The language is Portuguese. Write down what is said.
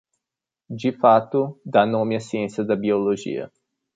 De fato, dá nome à ciência da biologia.